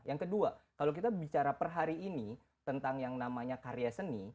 yang kedua kalau kita bicara per hari ini tentang yang namanya karya seni